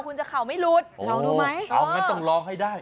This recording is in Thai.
คุณจะเข่าไม่หลุดลองดูไหมเอางั้นต้องลองให้ได้